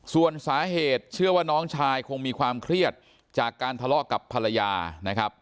ส่วนสาเหตุเชื่อว่าน้องชายคงมีความเครียดจากการทะเลาะกับภรรยานะครับ